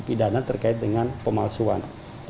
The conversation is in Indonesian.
bidana terkait dengan pemalsuan